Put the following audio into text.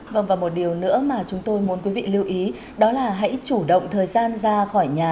và một điều nữa mà chúng tôi muốn quý vị lưu ý đó là hãy chủ động thời gian ra khỏi nhà